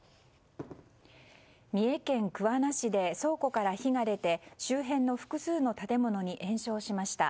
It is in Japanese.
三重県桑名市で倉庫から火が出て周辺の複数の建物に延焼しました。